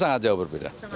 sangat jauh berbeda